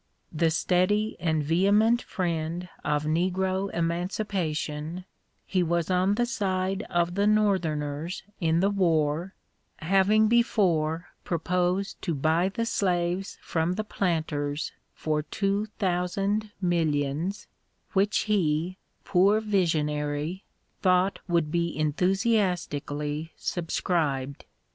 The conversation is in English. The steady and vehement friend of negro emancipation, he was on the side of the Northerners in the war, having before proposed to buy the slaves from the planters for two thousand millions, which he, poor visionary, thought would be enthusiastically subscribed.